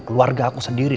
keluarga aku sendiri